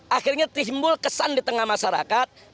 akhirnya timbul kesan di tengah masyarakat